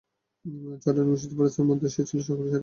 চার ডানাবিশিষ্ট ফেরেশতাগণের মধ্যে সে ছিল সকলের সেরা।